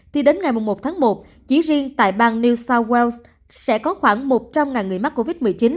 thì đến ngày một tháng một chỉ riêng tại bang new south wales sẽ có khoảng một trăm linh người mắc covid một mươi chín